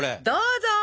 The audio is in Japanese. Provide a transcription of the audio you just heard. どうぞ！